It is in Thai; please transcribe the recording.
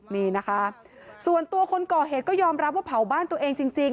นี่นะคะส่วนตัวคนก่อเหตุก็ยอมรับว่าเผาบ้านตัวเองจริง